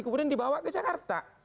kemudian dibawa ke jakarta